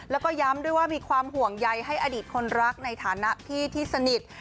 แล้วก็ย้ำด้วยว่ามีความห่วงใยให้อดีตคนรักในฐานะพี่ที่สนิท